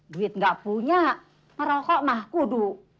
duit nggak punya merokok mah kudu